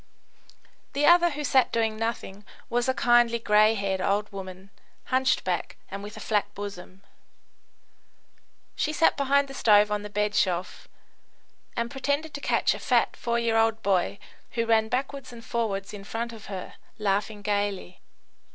The other, who sat doing nothing, was a kindly, grey haired old woman, hunchbacked and with a flat bosom. She sat behind the stove on the bedshelf, and pretended to catch a fat four year old boy, who ran backwards and forwards in front of her, laughing gaily.